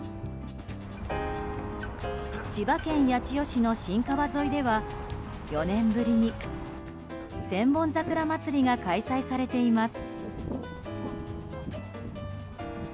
千葉県八千代市の新川沿いでは４年ぶりに千本桜まつりが開催されています。